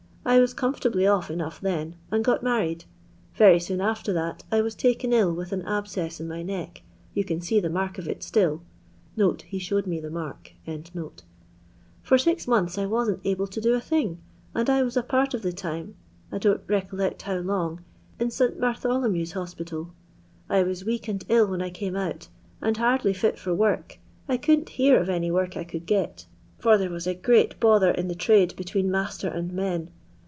I was com fortably off enough then, and got married. Very aoon after that I waa taken ill with an abaoess in my neck, you can aee the mark of it still." [He showed me the mark.] "For six months I wasn't able to do a thing, and I was a part of the time, I don't recollect how long, in St. Bartholomew's Hospital. I was weak and ill when I came out, and hardly fit for work ; I couldn't hear of any work I could get, for there waa a great bother in the trade between master and men.